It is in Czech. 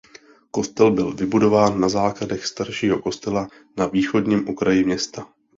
Kostel byl vybudován na základech staršího kostela na východním okraji města.